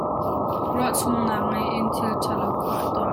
Ruah chung nak ngei in thil ṭha lo kha a tuah.